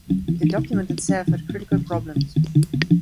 The document itself had critical problems.